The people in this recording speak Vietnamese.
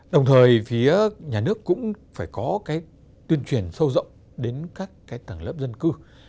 đồng thời phía nhà nước cũng phải có cái tuyên truyền sâu rộng đến các cái tầng lớp dân cư